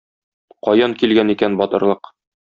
Каян килгән икән батырлык?